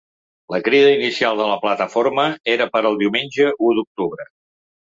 La crida inicial de la plataforma era per al diumenge u d’octubre.